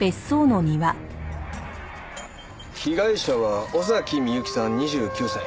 被害者は尾崎美由紀さん２９歳。